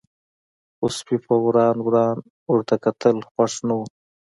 خو سپي په وران وران ورته کتل، خوښ نه و.